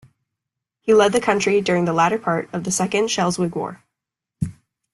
He led the country during the latter part of the Second Schleswig War.